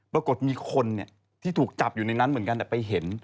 ปรากฏมีคนที่ถูกจับอยู่ในนั้นเหมือนกันไปเห็น